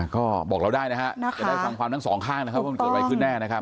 ก็บอกเราได้นะฮะจะได้ฟังความทั้งสองข้างนะครับว่ามันเกิดอะไรขึ้นแน่นะครับ